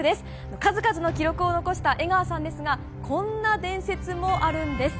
数々の記録を残した江川さんですがこんな伝説もあるんです。